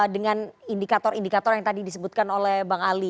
dengan indikator indikator yang tadi disebutkan oleh bang ali